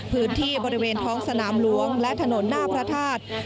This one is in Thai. พื้นที่บริเวณท้องสนามหลวงและถนนหน้าพระธาตุ